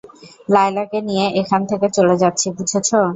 লায়লাকে নিয়ে এখান থেকে চলে যাচ্ছি, বুঝেছ?